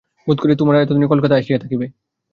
বোধ করি, তোমরা এতদিনে কলিকাতায় আসিয়া থাকিবে।